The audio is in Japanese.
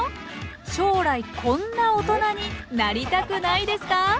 将来こんなおとなになりたくないですか？